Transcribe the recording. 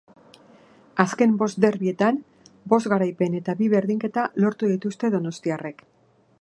Azken bost derbietan, bost garaipen eta bi berdinketa lortu dituzte donostiarrek.